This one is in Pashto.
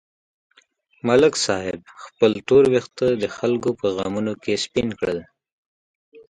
ملک صاحب خپل تور وېښته د خلکو په غمونو کې سپین کړل.